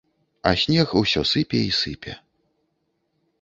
А снег усё сыпе і сыпе.